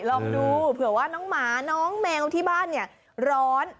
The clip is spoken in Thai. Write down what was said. ลองดูเผื่อว่าน้องหมาน้องแมวที่บ้านเนี่ยร้อน